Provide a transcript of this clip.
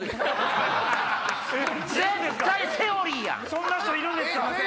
そんな人いるんですか？